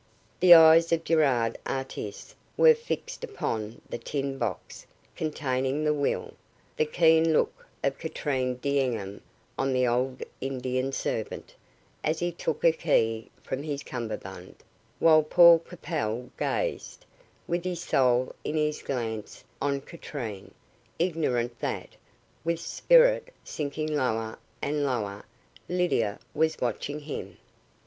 The eyes of Gerard Artis were fixed upon the tin box containing the will the keen look of Katrine D'Enghien on the old Indian servant, as he took a key from his cummerbund while Paul Capel gazed, with his soul in his glance, on Katrine, ignorant that, with spirit sinking lower and lower, Lydia was watching him.